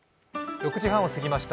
６時半を過ぎました。